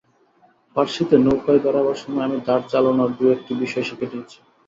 পার্সিতে নৌকায় বেড়াবার সময় আমি দাঁড় চালানর দু-একটি বিষয় শিখে নিয়েছি।